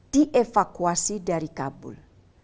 di evakuasi dari kabul